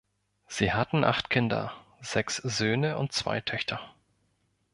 Sie hatten acht Kinder – sechs Söhne und zwei Töchter.